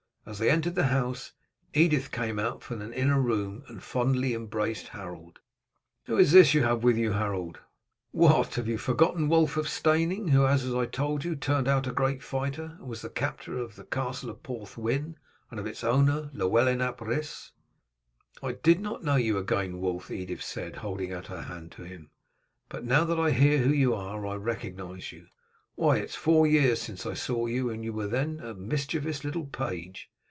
As they entered the house, Edith came out from an inner room and fondly embraced Harold. "Who is this you have with you, Harold?" "What, have you forgotten Wulf of Steyning, who has, as I told you, turned out a great fighter, and was the captor of the castle of Porthwyn, and of its owner, Llewellyn ap Rhys?" "I did not know you again, Wulf," Edith said holding out her hand to him, "but now that I hear who you are I recognize you. Why, it is four years since I saw you, and you were then a mischievous little page.